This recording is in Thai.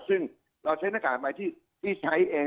ซึ่งเราใช้หน้ากากใหม่ที่ใช้เอง